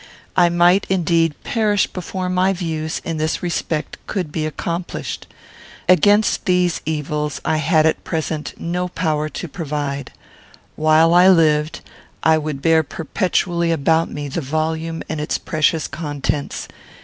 I might, indeed, perish before my views, in this respect, could be accomplished. Against these evils I had at present no power to provide. While I lived, I would bear perpetually about me the volume and its precious contents.